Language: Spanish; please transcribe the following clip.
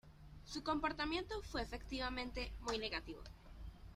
Su comportamiento fue efectivamente muy negativo.